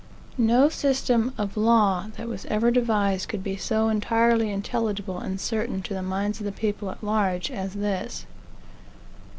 No system of law that was ever devised could be so entirely intelligible and certain to the minds of the people at large as this.